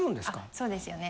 そうですよね。